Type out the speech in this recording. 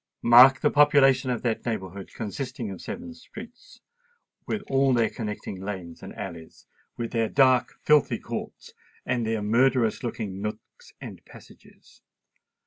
Mark the population of that neighbourhood, consisting of seven principal streets, with all their connecting lanes and alleys—with their dark, filthy courts, and their murderous looking nooks and passages!